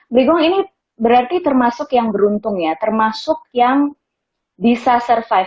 brigong ini berarti termasuk yang beruntung ya termasuk yang bisa survive